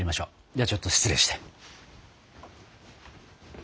ではちょっと失礼して。